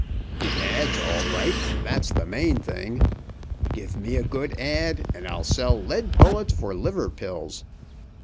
The ad.'s all right, and that's the main thing. Give me a good ad., and I'll sell lead bullets for liver pills.